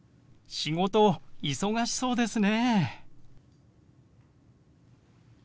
「仕事忙しそうですね」。